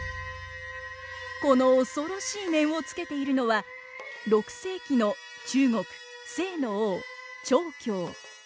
この恐ろしい面をつけているのは６世紀の中国斉の王長恭。